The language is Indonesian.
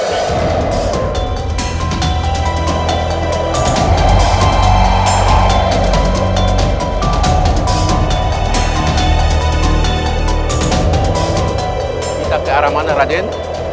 kita ke arah mana raden